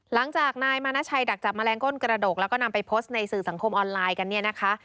หลังจากนายมานาชัยดักจับแมลงก้นกระดกแล้วก็นำไปโพสต์ในสื่อสังคมออนไลน์กันเนี่ยนะคะ